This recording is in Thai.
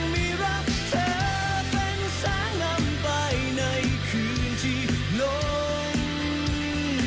มีรักเธอเป็นแสงอำไปในคืนที่ลงทาง